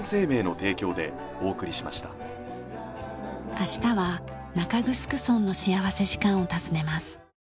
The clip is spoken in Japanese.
明日は中城村の幸福時間を訪ねます。